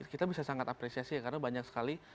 kita bisa sangat apresiasi ya karena banyak sekali